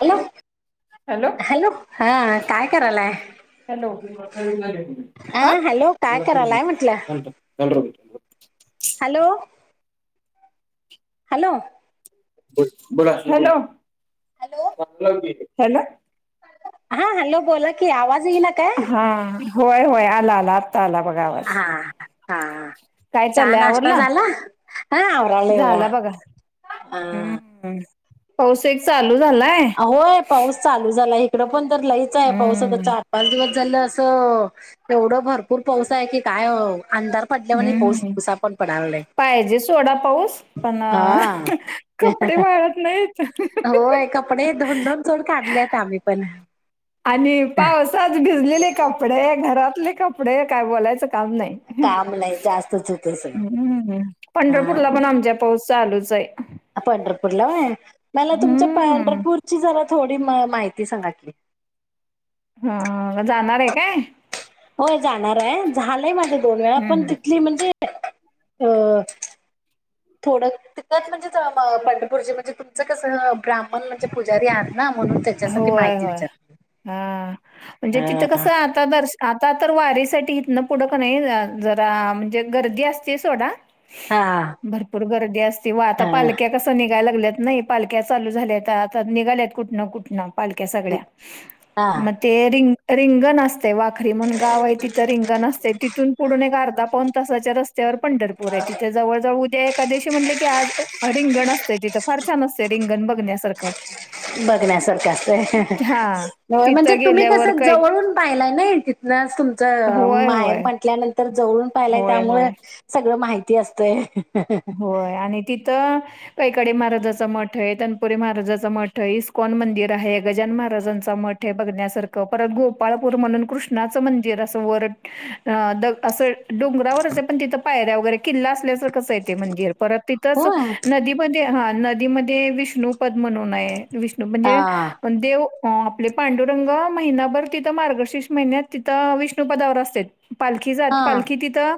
Hello hello हा काय करायलाय. ह म मपूर हा हॅलो काय करायलाय म्हटलं [inaudible] नंत हो न [inaudible] हॅलो हॅलो बोला हॅलो हॅलो हॅलो हा हॅलो बोला कि आवाज येईना काय हा होय होय आला आला आत्ता आला बघा आवाज हा हा काय चहा चाललंय नाश्ता आवरला झाला हा आवरालोय बघा हा हम्म पाऊस एक चाल होय पाऊस चालु झाला इकडं पण तर लईच आहे पाऊस आता हम्म चार पाच दिवस झालं असं एवढं भरपुर पाऊस आहे की काय अंधार पडल्यावर नाही पाऊस हम्म दिवसा पण पडायला. पाहिजे सोडा डा पाऊस पण हा कपडे वाळत नाहीत. होय कपडे दोन दोन जोड काढलेत आम्ही पण आणि पावसात भिजलेले कपडे घरातले कपडे काय बोलायचं का नाही काम नाही जास्तच होते सगळं पंढरपुरला पण आमच्या पाऊस चालुच आहे. पंढरपुर ला व्हय मला तुमच्या हम्म पंढरपुरची जरा थोडी माहिती सांगा की हा जाणार आहे काय होय जाणार आहे झालंय माझे दोन वेळा हम्म पण हम्म. तिथली म्हणजे ह थोडं तिथं म्हणजे पंढपुरचे म्हणजे तुमचं कसं ब्राह्मण म्हणजे पुजारी आण होय होय हा म्हणजे तिथं हा कसं आता दर्शन आता तर वारीसाठी इथनं पुढं कानि नाही जरा म्हणजे गर्दी असते सोडा हा भरपुर गर्दी असते व आता हा पालख्या कसं नि निघायला लागल्यात नाही पालख्या चालु झाल्यात आता निघाल्यात कुठनं कुठनं पालख्या सगळ्या हा, मग ते रंग रिंगण अस वाखरी म्हणुन गाव आहे तिथं रिंगण असते तिथून पुढण एक अर्धा पाऊन तासाच्या रस्त्यावर पंढरपूर आहे. तिथे जवळ जाऊ उद्या एकादशी म्हटले की आज रिंगण असते तिथं फार छान असते रिंगण बघण्यासारखं बघण्यासारखं असंते हां. म्हणजे तिथं तुम्ही गेल्यावर कसं काय जवळुन पाहिला नाही तिथन तुमच होय, माहेर होय, म्हटल्यानंतर जाऊन पाहिलाय होय, त्यामुळे होय, सगळं माहिती असतय होय आणि ति कैकाडी महाराजाचा मठ आहे तनपुरी महाराजाचा मठ आहे इस्कॉन मंदिर आहे गजानन महाराज महाराजांचा मठ हे बघण्यासारखं परत गोपाळपूर म्हणून कृष्णाचं मंदिर असं वर असं डोंगरावरच आहे पण तिथं पायऱ्या वगैरे किल्ला असल्याचं कस ते मंदिर परत तिथंच होय नदीमध्ये हा नदीमध्ये विष्णुपद म्हणून आहे. विष्णु हा म्हणजे देव आपले पांडुरंग महिनाभर तिथं मार्गशीर्ष महिन्यात तिथं विष्णुपदावर असत्यात. पालखी जात हा पालखी तिथं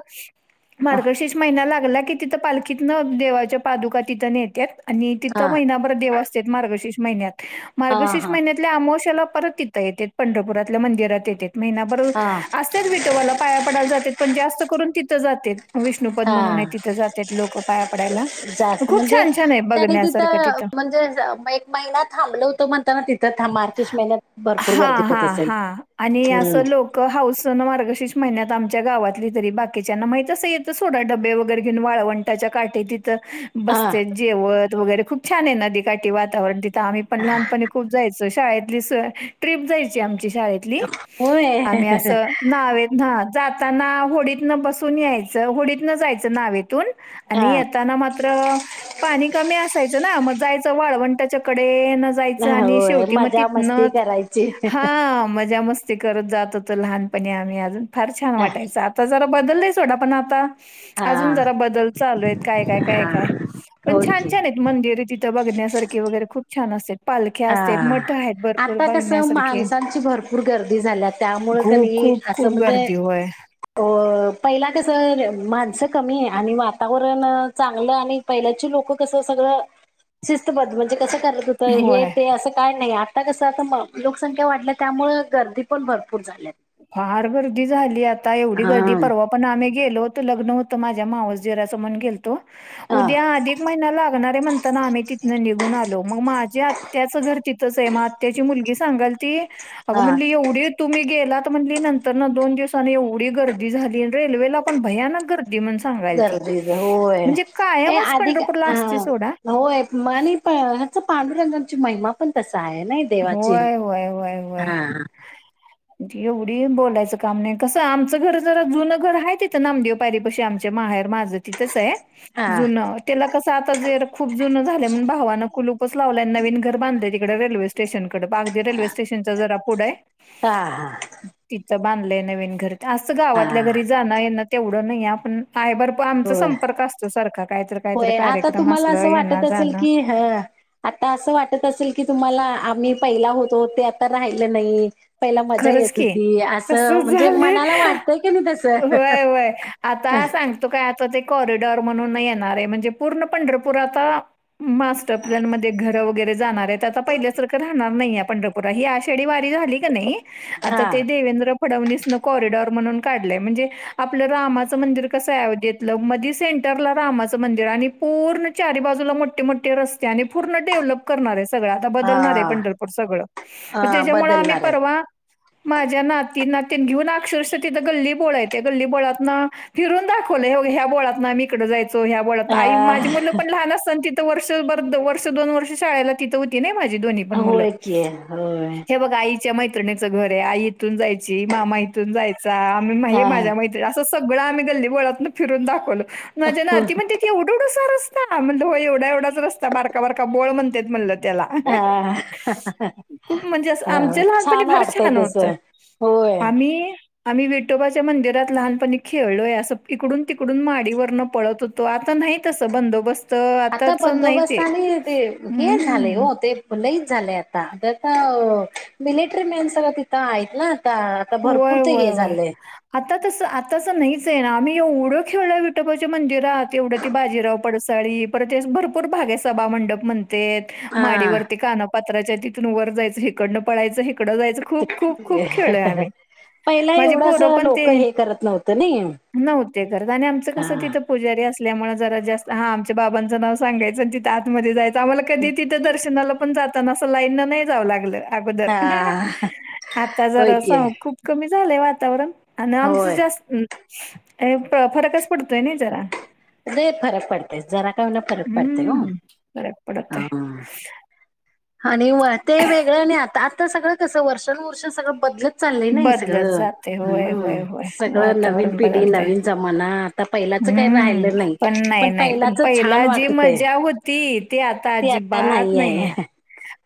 हा मार्गशीर्ष महिना लागला कि पालखीतनं देवाच्या पादुका तिथं नेत्यात आणि हा तिथं महिनाभर देव असत्यात मार्गशीर्ष महिन्यात हा मार्गशीर्ष महिन्यातल्या आमोशेला परत तिथं येते पंढरपुरातल्या मंदिरात येते. महिनाभर हा असतंच विठोबाला पाया पडायला जात्यात पण जास्त करून तिथं जात्यात. विष्णुपद हा म्हणून आहे तिथं थं जात्यात लोक पाया पडायला जास्त खूप म्हणजे छान छान आहे बघण्यासारखं तिथं म थांबल होत म्हणता ना तिथं मार्गशीर्ष महिन्यात भरपूर गर्दी हां, होत असेल हम्म इतकं हाउसन मार्गशीर्ष महिन्यात आ गावातली तरी बाकीच्याना माहित कसं येत सोडता डबे वगैरे घेऊन वाळवंटच्या काटे हा बसत्यात जेवण वगैरे खूप छान आहे नदी काठी वातावरण तिथं आम्ही पण लहानपणी खूप जायचो शाळेतली सह ट्रिप जायची आम ती शाळेतली होय आम्ही अस नावेतन न्हाण जाताना होडीतन बसून यायचं होडीतन जायचं नावेतून. हा आणि येताना मात्र पाणी कमी असायचं ना मग जायचं वाळवंटच्या कडे डेन जायचं आणि होय शेवटी मग मजा तिथन मस्ती च करायची हां मजा मस्त स्ती करत जात होतो लहानपणी आम्ही अजून फार छान हा वाटायचं आता जरा बदललंय सोडा पण आता हा अजून जरा बदल चालू आहेत काय काय काय काय पण होय छान की छान आहेत मंदिरे तिथं बघण्यासारखी. वगैरे खूप छान असतेत. हां आता कस बघण्यासारखे. माणसांची भरपूर गर्दी झाल्या त्यामुळे क खूप, नई खूप, असं खूप म्हणजे गर्दी होय. पहिला कसं माणसं कमी आणि वातावरण चांगलं आणि पहिल्याची लोक कसं सगळं शिस्तबद्ध म्हणजे कसं करत होतं हे होय, ते असं काय नाही आता कसं आता म लोकसंख्या वाढल्या त्यामुळ गर्दी पण भरपूर झाल्या. फार गर्दी झाली आता एवढी गर्दी हा. परवा पण आम्ही गेलो हो तो लग्न होत माझ्या मावस दीराचं म्हणून गेल तो हा उद्या अधिक महिना लागणार आहे म्हणताना आम्ही तिथंन निघून आलो मग माझ्या आत्या च घर घर तिथंच आहे म आत्त्याची मुलगी सांगालती अगं हा म्हणाली एवढे तुम्ही गेला त म्हणली नंतर न दोन दिवसांनी एवढी गर्दी झाली आणि रेल्वेला पण भयानक गर्दी म्हणून सांगायला ती गर्दी होय म्हणजे नाही कायमच अधिक पंढरपूरला असते सोडा होय म आणि ह्याच पांडुरंगाची महिमा पण तसं आहे नाही देवाची होय होय होय होय हां. एवढी बोलायचं काम नाही कसं आमचं घर जरा जुनं घर आहे तिथं नामदेव पायरी पाशी आमच्या माहेर माझं तिथच आहे हा जुनं त्याला कसं आता जर खूप जुन झाले म्हण भावानं कुलूपच लावलय आणि नवीन घर बांधलंय तिकड रेल्वे स्टेशन कड पाकदे रेल्वे स्टेशनच जरा पुढ आहे. हां हां तिथं बांधलंय नवीन घर असं गावातल्या घरी जाणं ये ना तेवढं नाही आपण. आहे बरं आमचा होय. संपर्क असतो सारखा काहीतरी काहीतरी होय. आता कार्यक्रम तुम्हाला असल असं येन वाटत असेल जाणं. की हं, आता असं वाटत असेल की तुम्हाला आम्ही पहिला होतो ते आता राहिलं नाही. पहिला मजा खरंच येत की होती असं तसच म्हणजे झालंय. मनाला वाटतंय क नाही व्हय व्हय तस. आता सांगतो काय आता ते कॉरिडॉर म्हणून येणार आहे म्हणजे पूर्ण पंढरपूर आता मास्टर प्लॅन मध्ये घर वगैरे जाणार आहेत आता पहिल्यासारखं राहणार नाहीेये पंढरपूर. ही आषाढी वारी झाली का नाही आता ते हां. देवेंद्र फडवणीस न कॉरिडॉर म्हणून काढलंय म्हणजे आपलं रामाचं मंदिर कसं आहे आयोध्येतलं मधी सेम एंटरला रामाचं मंदिर आणि पूर्ण चारी बाजूला मोठे मोठे रस्ते आणि पूर्ण डेव्हलप करणार आहे स गळं आता बदलणार आहे हां. पंढरपूर सगळं अ, म त्याच्यामुळे आम्ही बदलणार आहे. परवा माझ्या नाती नातीन घेऊन अक्षरशः तिथं गल्ली बोळ आहे त्या गल्लीबोळातन फिरून दाख खोलीलयं होग ह्या बोळातन आम्ही इकडें जाय चो. ह्या बोळतनं. अ, आई माझी मुलं पण लहान असता ना तिथं वर्षभर वर्ष दोन वर्ष शाळेला तिथं होती नई. माझे दोन्ही पण मुलं. होय की. होय. हे बघा, आईच्या मै त्रिणीच घर आहे. आई इथून जायची. मामा इथून जायचा. आम्ही हे हां. माझ्या मैत्रीणी असं सगळं आम्ही गल्लीबोळातनं फिरून दाखवलो. माझ्या हो. नाती म्हणत्यात एवढं उढसा रस स्ता म्हणल हो एवढा एवढाच रस्ता बारका बारका बोळ म्हणतेत म्हणलं. त्याला. हां. खूप म्हणजे असं अ, आमच्या लहानपणी फार वाटतंय छान होतं. तसं. होय. आम्ही - - आम्ही विटोबाच्या मंदिरात लहानपणी खेळलोय. असं इकडून तिकडून माडीवरन पळत होतो. आता नाही. नाही. तस बंदोबस्त - - आता बंदोबस्ताने ते हे झालेय हम्म. हो ते लईच झालय आता. हो. मिलिटरी मॅन सगळ तिथं आहेत ना? आता आता भरपूर होय, ते होय, हे होय. झालंय आता तसं आताच नाही ना आम्ही एवढं खेळलं विटोबाचे मंदिर आहात एवढं ती बाजीराव पडसाळी परत भरपूर भा सभा मंडप म्हणतेत. हा मादीवरती कानपात्राच्या तिथुन वर जायचं हिकडं पळायचं हिक इकड जायच. खूप, खूप, खूप खेळोयं आम्ही. पहिला माझी एवढस पोरं पण ते लोक हे करत नव्हतं नई. नव्हते करत आणि आमचं कसं तिथं पुजारी अस - - ल्यामुळे जरा जास्त हा आमच्या बाबांचं नाव सांगायचं आणि तिथ आतमध्ये जायच. आम्हाला कधी तिथं दर्शनाला पण जातना असं लाईन नाही जावं लागलं. अगोदर हा आता जर होय अस की कमी झालंय वातावरण आणि आमचं होय जास्त अ फरकच पडतोय नई जरा. लई फरक पडतयं. जरा - - का होईना फरक पडतेय हो. हम्म फरक हा, पडतोय. हा. आणि व ते वेगळं आणि आता आता सगळं कसं वर्षानुवर्ष सगळं बदलत चाललयं नाई बदलत सगळं. जाते होय होय हम्. होय सगळं नवीन वातावरण पिढी बदलतय. नवीन जमानात - - आता पहिल्याचं काय - - हम्म राहिलं नाही, नाही पण नाही पहिलाच छान पहिला जी वाटतंय मजा होती ती आता ते आता अजिबात नाहीआय. नाही आहे. ह.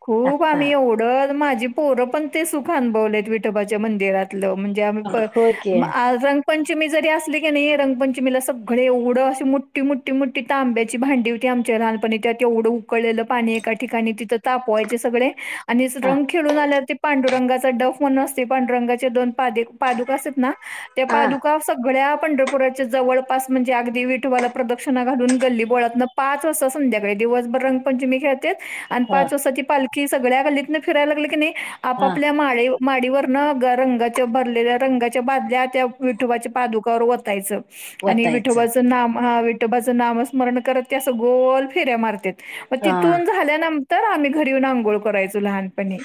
खूप आम्ही, एवढत माझ - - पोरपण ते सुख अनुभवल्यात विठोबाच्या मंदरातल म्हणजे आमि प होय की आज न पंचमी जरी असली कनी रंगपंचमी- - पंचमीला सगळे एवढं अ मोठी मोठी मोठी तांब्याची भांडी होती आमच्या लहानपणी त्यात एवढं उकळलेलं - - पाणी एका ठिकाणी तिथं - - तापवायचे सगळे आणि हा रंग खेळून आल्यावर ते पांडुरंगाचा डफ म्हणून असते पांडुरंगाचे दोन - - पादे पादुका असतात ना त्या हा पादुका सगळ्या पंढरपुरात जवळपास म्हणजे अग विठोबाला प्रदक्षिणा घालून गल्ली बोळातणं पाच असं संध्याकाळी दिवसभर रंग पंचमी खेळ त्यात. आणि ह पाच वाजता ती पालखी सगळ्या गल्लीतन फिराय लागली कनी हा आपापल्या माळी माडीवर - - न ग रंगाच्या भरलेल्या रंगाच्या बादल्या त्या विठोबाच्या पादुकावर वतायचं. आणि वतायचं विठोबाचं नाम विठोबाचं नाम स्मरण करत त्या अस गोल फेऱ्या मारत्यात. मग हा तिथून झाल्यानंतर आम्ही घरी येऊन आंघोळ करायचो. लहानपणी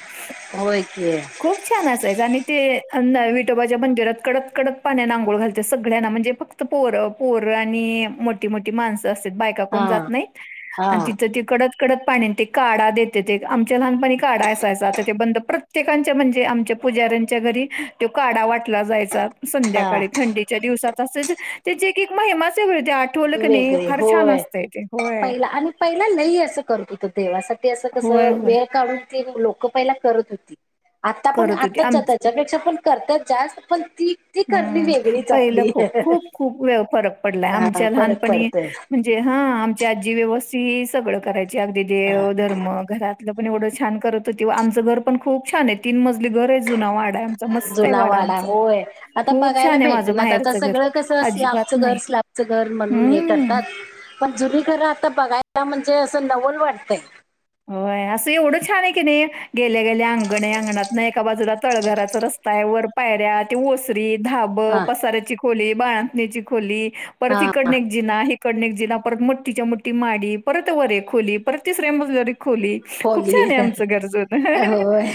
होय की खूप छान असायच आणि ते अ विटोबाच्या मंदिरात कडक कडक पाण्यान अंघोळ घालत्यात सगळ्यांना म्हणजे फक्त पोर पोर आणि मोठी मोठी माणस बायका हा कोन जात नाही हा आणि तिथ ते कड - - कडक पाणी ते काढा देते ते आमच्या लहानपणी काढा असायचा आता ते बंद प्रत्येकांच्या म्हणजे आमच्या- - पुजऱ्यांच्या घरी ते काडा वाट - - जायचा. हा संध्याकाळी थंडीच्या दिवसात अस त्या एक एक महिमाच - - वेगळे होय होय पहिला आणि पहिला लई असं करत हुतंत देवासाठी असं होय कसं होय वेळ काढून ती लोकं पहिला करत होती आता पण करत होती आताच जा आमची त्याच्यापेक्षा पण करत्यात जास्त पण ती ती करणी हम्म वेगळीच पहिलं आपली खूप खूप खूप वे फरक पडलाय आम हा च्या फरक लहानपणी पडतोय म्हणजे हा आमची आज्जी व्यवस्थित सगळं करायची अगदी देव धर्म घरात तलं पण एवढं छान करत होती आमचं घर पण खूप छान आहे तीन मज ली घर आहे जुना वाडा आहे आमचा मस्त आहे जुना वाडा आमचा होय आता खूप बघायला छान आहे माझं भेटणात आता माहेरचं घर सगळं कस अजिबात स्लॅपचं घर नाही स्लॅपचं घर म्हणून हे हम्म करतात पण जुनी घरं आता बघायला म्हणजे असं नवल वाटतंय होय असं एवढं छान आहे की नाही गेल्या गेल्या अंगण आहे अंगणात ना एका बाजूला तळघराच रस्त स्ता आहे वर पायऱ्या ते ओसरी धाबं हा पसाऱ्याची खोली बाळंतिणीची खोली परत हा इकडनं एक जिना हिक कडनेक जिना परत मोट्ठीच्या मोठी माडी परत वर एक खोली परत तिसऱ्या मजल्यावर एक खोली खूप खोली छान आहे आमचं घर जुनं होय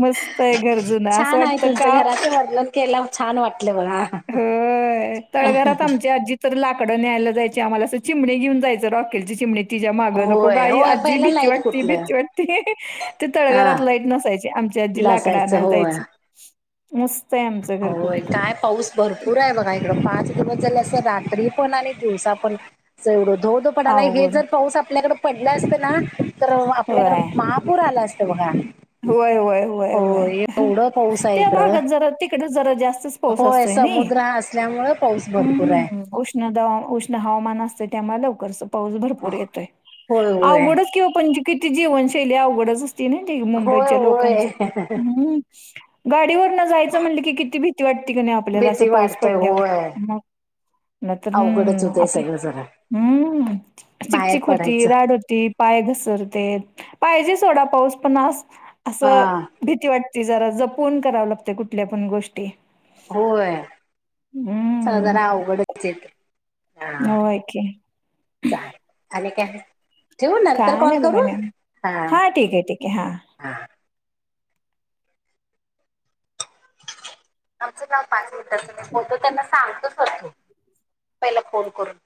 मस्त आहे घर जुनं असं वाटतंय तुमच्या घराचं वर्णन केल्यावर छान वाटलं बघा होय तळघरात आमची आजी तर लाक डं न्यायला जायची आम्हाला असं चिमणी घेऊन जायचं रॉकेलची चिमणी तिच्या मागं नको ग होय आई होय आजी पहिला भीती लाईट वाटते कुठलं भीती वाटते ते हा तळघरात लाईट नसायची आ मची आज्जी लाकडं लासायचं आणायला होय. जायची मस होय काय पाऊस भरपूर आहे बघा इकडं पाच दिवस झाले असं रात्री पण आणि दिवसा पण एवढं धो धो पडालाय हेच अवघड जर पाऊस आपल्याकडे पडला असतं ना तर आपल्याकडे होय महापूर आला असतं बघा होय होय होय हो होय एवढं पाऊस आहे त्या इकडं भागात जरा तिकडं जरा जास्तच पाऊस होय असतोय नई समुद्र हा असल्यामुळे पाऊस भरपूर आहे. हम्मम उष्ण दवा उष्ण हवामान असत त्यामुळं लवकर पाऊस भरपूर येतोय होय होय. अवघडच कि ओ पण किती जीवनशैली अवघडच असती ना त होय मुंबईच्या लोकांची होय हम् गाडीवरनं जायचं म्हटलं की किती भीती वाटती की नाही आपल्याला असं भीती पाऊस वाटतेय पडल्यावर होय. मग न तर् अवघडच होतय आपली सगळं जरा हम्म बाहेर चिकचक होती पडायचं. राड होती पाय घसरते पाय जे सोडा पाऊस पण अस हा. भीती वाटते ती जरा जपून कराव लागते कुठल्या पण गोष्टी होय सजार हम्म अवघडच येत हा होय कि ठेऊ नंतर कॉल करू नाही हा ठीक आहे ठीक आहे हा आमचं काय पाच मिनीटांचं त्यांना सांगतोच होतो पहिला फोन करून